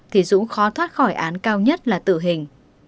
thì dũng khó thoát khỏi án cao nhất là tử hình